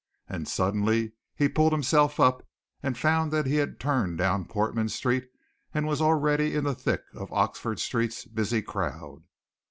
And suddenly he pulled himself up and found that he had turned down Portman Street and was already in the thick of Oxford Street's busy crowds.